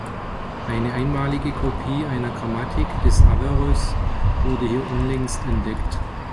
Eine einmalige Kopie einer Grammatik des Averroes wurde hier unlängst entdeckt.